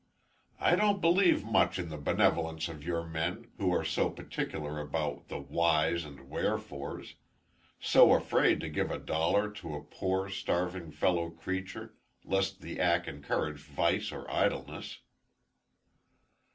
"I don't believe much in the benevolence of your men who are so particular about the whys and wherefores so afraid to give a dollar to a poor, starving fellow creature, lest the act encourage vice or idleness."